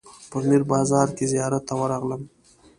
په میر بازار کې زیارت ته ورغلم.